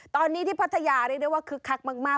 ตอนนี้ที่พัทยาเรียกได้ว่าคึกคักมาก